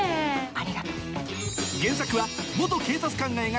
ありがとう。